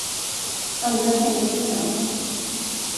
Andra trängde sig fram.